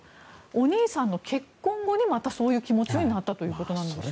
お兄さんの結婚後にまたそういう気持ちになったということなんです。